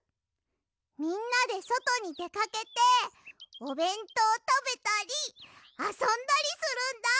みんなでそとにでかけておべんとうたべたりあそんだりするんだ！